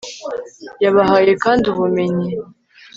yabahaye kandi ubumenyi